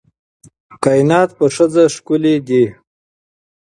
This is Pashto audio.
کائنات په ښځه ښکلي دي